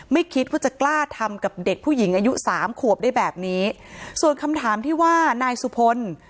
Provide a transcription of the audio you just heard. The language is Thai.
ไม่คิดว่าจะกล้าทำกับเด็กผู้หญิงอายุสามขวบได้แบบนี้ส่วนคำถามที่ว่านายสุพล